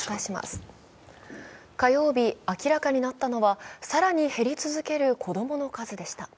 火曜日、明らかになったのは更に減り続ける子供の数でした。